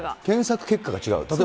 検索結果が違う？